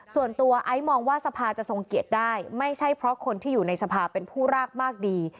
ไอซ์มองว่าสภาจะทรงเกียรติได้ไม่ใช่เพราะคนที่อยู่ในสภาเป็นผู้รากมากดี